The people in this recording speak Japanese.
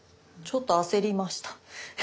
ちょっと焦りました。